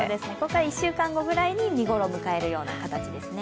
１週間後ぐらいに見頃を迎える予想ですね。